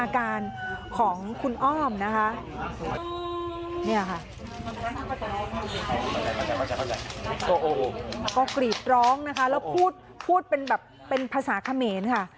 ก็กรีดร้องนะคะแล้วพูดเป็นแบบเป็นภาษาเขมรค่ะ